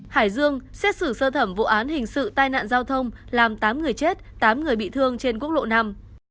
hải dương xét xử sơ thẩm vụ án hình sự tai nạn giao thông làm tám người chết tám người bị thương trên quốc lộ năm